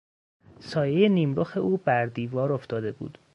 سایهی نیمرخ او بر دیوار افتاده بود.